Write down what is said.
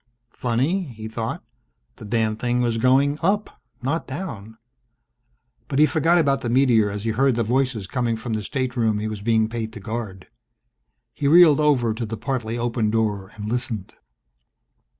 Funny, he thought, the damned thing was going up, not down. But he forgot about the meteor as he heard the voices coming from the stateroom he was being paid to guard. He reeled over to the partly opened door and listened.